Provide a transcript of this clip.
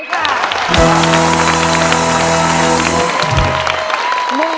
ไม่ใช้ค่ะ